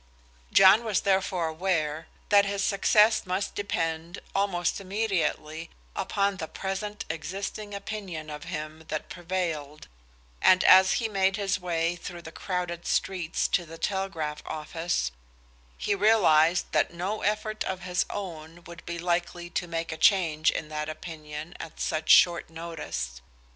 John was therefore aware that his success must depend almost immediately upon the present existing opinion of him that prevailed, and as he made his way through the crowded streets to the telegraph office, he realized that no effort of his own would be likely to make a change in that opinion at such short notice.